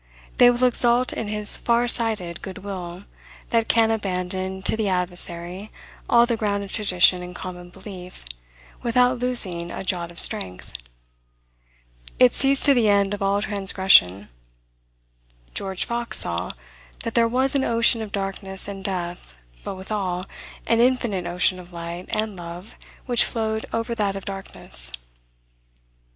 They will exult in his far sighted good will, that can abandon to the adversary all the ground of tradition and common belief, without losing a jot of strength. It sees to the end of all transgression. George Fox saw "that there was an ocean of darkness and death; but withal, an infinite ocean of light and love which flowed over that of darkness."